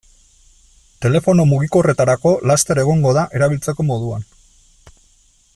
Telefono mugikorretarako laster egongo da erabiltzeko moduan.